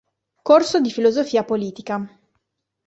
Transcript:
Corso di filosofia politica".